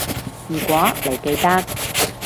如果你記得